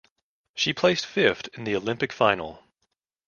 She placed fifth in the Olympic final.